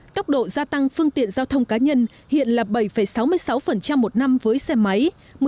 tốc độ gia tăng phương tiện giao thông cá nhân hiện là bảy sáu mươi sáu một năm với xe máy